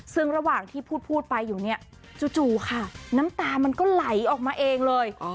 ซึ่งระหว่างที่พูดไปอยู่เนี่ยจู่ค่ะน้ำตามันก็ไหลออกมาเองเลย